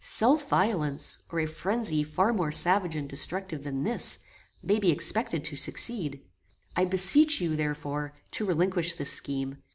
Self violence, or a phrenzy far more savage and destructive than this, may be expected to succeed. I beseech you, therefore, to relinquish this scheme.